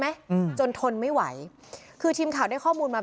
แม่อยากดูว่าไอ้คนเนี้ยมันน่าตายังไง